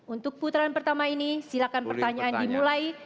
untuk putaran pertama ini silakan pertanyaan dimulai